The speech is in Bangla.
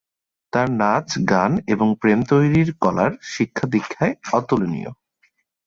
তার নাচ, গান এবং প্রেম-তৈরীর কলার শিক্ষাদীক্ষায় অতুলনীয়।